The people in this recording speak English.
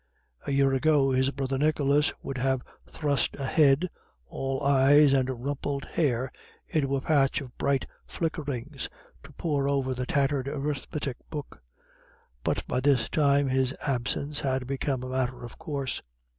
A year ago his brother Nicholas would have thrust a head, all eyes and rumpled hair, into a patch of bright flickerings, to pore over the tattered arithmetic book; but by this time his absence had become a matter of course.